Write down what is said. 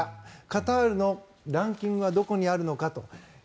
カタールのランキングはどこにあるのかと。